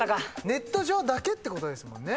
ネット上だけってことですもんね。